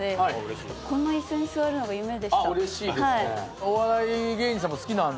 うれしいですね。